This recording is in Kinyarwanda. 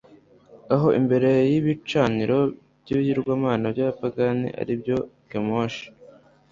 aho, imbere y'ibicaniro by'ibigirwamana by'abapagani ari byo kemoshi